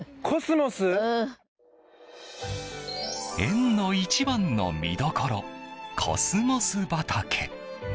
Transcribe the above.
園の一番の見どころコスモス畑。